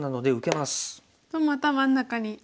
また真ん中に。